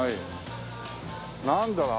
なんだろう？